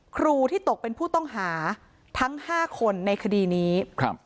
ครูที่ตกเป็นผู้ต้องหาทั้ง๕คนในคดีนี้ครับ